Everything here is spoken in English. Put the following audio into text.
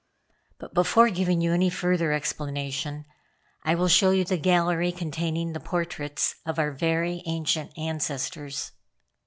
But before giving you any further explanation I will show you the gallery containing the portraits of our very ancient ancestors."